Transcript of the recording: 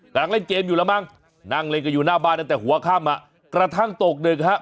กำลังเล่นเกมอยู่แล้วมั้งนั่งเล่นกันอยู่หน้าบ้านตั้งแต่หัวค่ำอ่ะกระทั่งตกดึกฮะ